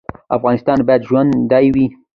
افغانستان باید ژوندی وي